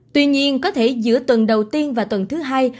tuy nhiên có thể giữa tuần đầu tiên và tuần thứ hai